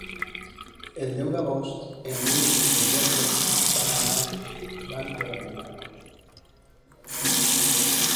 El deu d'agost en Mirt i en Jofre van a la Granada.